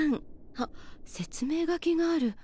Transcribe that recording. あっ説明書きがある。